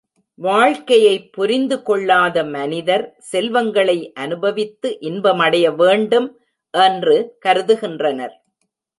வாழ்க்கையைப் புரிந்து கொள்ளாத மனிதர் செல்வங்களை அநுபவித்து இன்பமடைய வேண்டும் என்று கருதுகின்றனர்.